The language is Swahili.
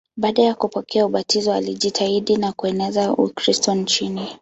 Baada ya kupokea ubatizo alijitahidi sana kueneza Ukristo nchini.